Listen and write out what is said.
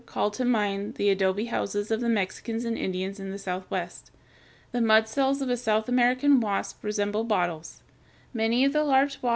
254) call to mind the adobe houses of the Mexicans and Indians of the Southwest. The mud cells of a South American wasp resemble bottles (Fig. 255).